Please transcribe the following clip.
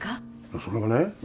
それがね